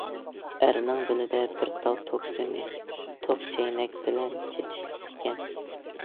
ئەرنىڭ بېلىدە بىر تال توك سىمى توك چەينەك بىلەن چېتىشلىق ئىكەن.